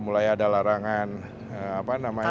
mulai ada larangan apa namanya